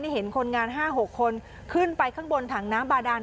เนี้ยเห็นคนงานห้าหกคนขึ้นไปข้างบนถังน้ำบาดาน